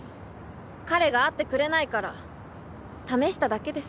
彼が会ってくれないから試しただけです。